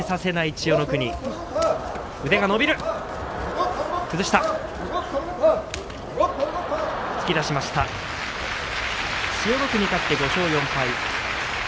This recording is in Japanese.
千代の国勝って５勝４敗。